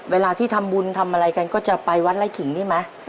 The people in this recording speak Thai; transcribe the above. เวลาที่ทำบุญทำอะไรกันก็จะไปวัดไล่ขิงนี่ไหม